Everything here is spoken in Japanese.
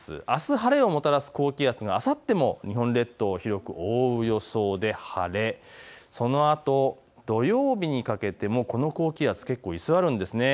あす晴れをもたらす高気圧があさっても日本列島を広く覆う予想で晴れ、そのあと土曜日にかけてもこの高気圧結構居座るんです。